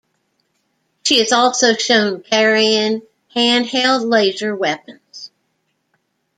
She is also shown carrying handheld laser weapons.